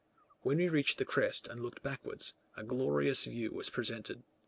When we reached the crest and looked backwards, a glorious view was presented.